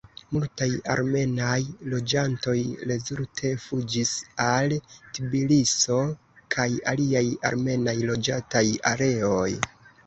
Multaj armenaj loĝantoj rezulte fuĝis al Tbiliso kaj aliaj armenaj loĝataj areoj.